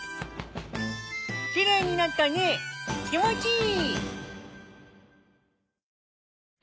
きれいになったね気持ちいい！